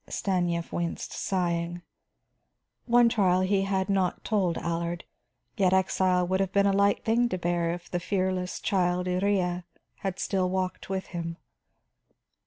Stanief winced, sighing. One trial he had not told Allard, yet exile would have been a light thing to bear if the fearless child Iría had still walked with him.